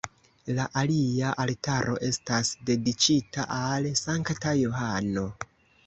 La alia altaro estas dediĉita al Sankta Johano.